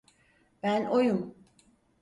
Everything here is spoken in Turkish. Ben oyum.